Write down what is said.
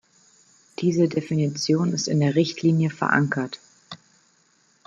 Diese Definition ist in der Richtlinie verankert.